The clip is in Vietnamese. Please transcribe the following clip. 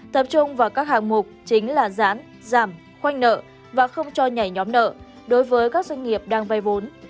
tập trung vào các hạng mục chính là giãn giảm khoanh nợ và không cho nhảy nhóm nợ đối với các doanh nghiệp đang vay vốn